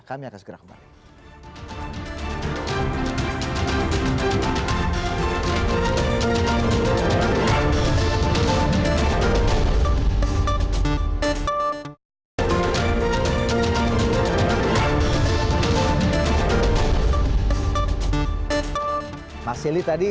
kami akan segera kembali